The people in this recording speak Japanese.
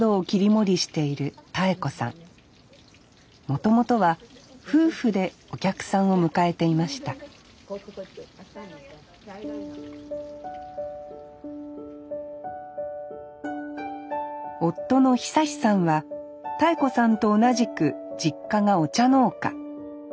もともとは夫婦でお客さんを迎えていました夫の久さんは妙子さんと同じく実家がお茶農家。